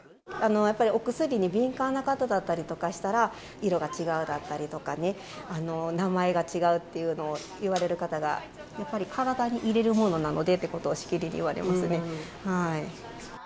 やっぱりお薬に敏感な方だったりとかしたら、色が違うだったりとか、名前が違うっていうのを言われる方が、やっぱり体に入れるものなのでということをしきりに言われますね。